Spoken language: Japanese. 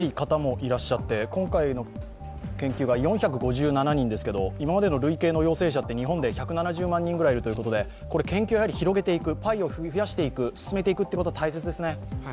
後遺症がない方もいらっしゃって、今回の研究が４５７人ですけど、今までの累計の陽性者は日本で１７０万人ぐらいいるということで研究を広げていく、パイを増やしていく、進めていくことは大事ですね。